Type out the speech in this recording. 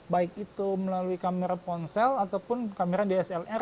baik itu melalui kamera ponsel ataupun kamera dslr